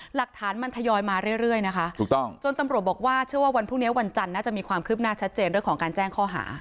หลักฐานมันทยอยมาเรื่อยนะคะถูกต้องจนตำรวจบอกว่าเชื่อว่าวันพรุ่งนี้วันจันทร์น่าจะมีความคืบหน้าชัดเจนเรื่องของการแจ้งข้อหา